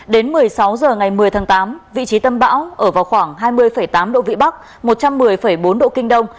đến một mươi sáu h ngày một mươi tháng tám vị trí tâm bão ở vào khoảng hai mươi tám độ vĩ bắc một trăm một mươi bốn độ kinh đông